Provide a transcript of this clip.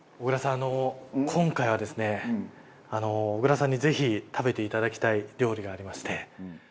あの今回はですね小倉さんにぜひ食べていただきたい料理がありまして。